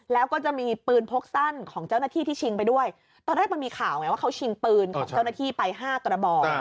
แล้วก็จะมีปืนพกสั้นของเจ้าหน้าที่ที่ชิงไปด้วยตอนแรกมันมีข่าวไงว่าเขาชิงปืนของเจ้าหน้าที่ไปห้ากระบอก